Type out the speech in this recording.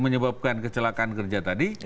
menyebabkan kecelakaan kerja tadi